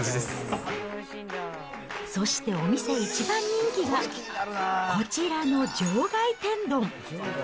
そしてお店一番人気が、こちらの場外天丼。